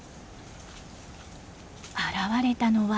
現れたのは。